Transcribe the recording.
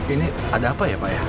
ini ada apa ya pak ya